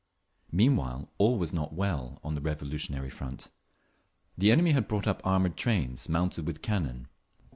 Meanwhile all was not well on the revolutionary front. The enemy had brought up armoured trains, mounted with cannon.